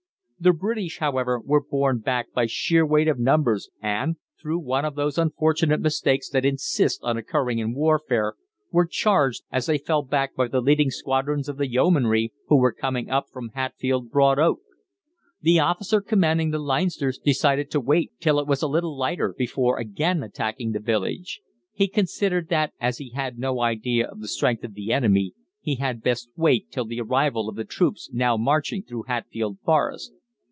The British, however, were borne back by sheer weight of numbers, and, through one of those unfortunate mistakes that insist on occurring in warfare, were charged as they fell back by the leading squadrons of the Yeomanry who were coming up from Hatfield Broad Oak. The officer commanding the Leinsters decided to wait till it was a little lighter before again attacking the village. He considered that, as he had no idea of the strength of the enemy, he had best wait till the arrival of the troops now marching through Hatfield Forest.